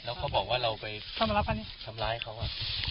แล้วเขาบอกว่าเราไปทำร้ายเขาอ่ะ